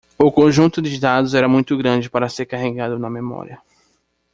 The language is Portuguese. O conjunto de dados era muito grande para ser carregado na memória.